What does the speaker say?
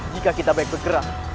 jika kita baik bergerak